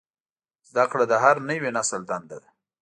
زدهکړه د هر نوي نسل دنده ده.